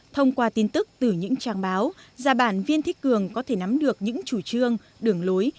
thông qua tin tức từ những trang báo giả bản viên thích cường có thể nắm được những chủ trương đường lối